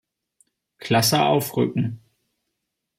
Klasse aufrücken.